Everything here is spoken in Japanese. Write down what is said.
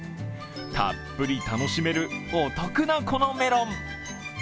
たっぷり楽しめるお得なこのメロン。